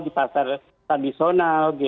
di pasar tradisional